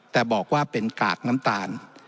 แต่บอกว่าเป็นกากน้ำตาล